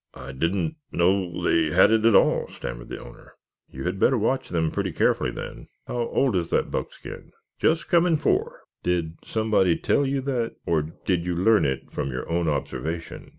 "I didn't know they had it at all," stammered the owner. "You had better watch them pretty carefully, then. How old is that buckskin?" "Just coming four." "Did somebody tell you that, or did you learn it from your own observation?"